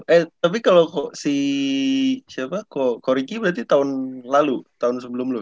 eh tapi kalau si siapa kok koriki berarti tahun lalu tahun sebelum lu